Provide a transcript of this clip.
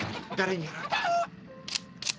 誰にやられた？